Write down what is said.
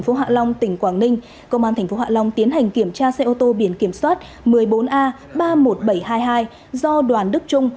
phố hạ long tỉnh quảng ninh công an tp hạ long tiến hành kiểm tra xe ô tô biển kiểm soát một mươi bốn a ba mươi một nghìn bảy trăm hai mươi hai do đoàn đức trung